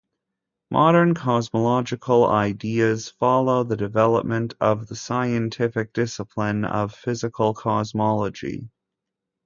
Modern cosmological ideas follow the development of the scientific discipline of physical cosmology.